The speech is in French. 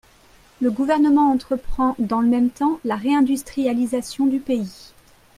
Le Gouvernement entreprend, dans le même temps, la réindustrialisation du pays.